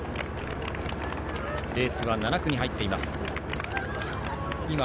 レースは７区に入っています。